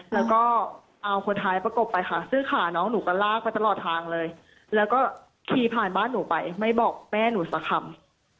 แล้วก็เอาคนท้ายประกบไปค่ะซึ่งขาน้องหนูก็ลากไปตลอดทางเลยแล้วก็ขี่ผ่านบ้านหนูไปไม่บอกแม่หนูสักคำ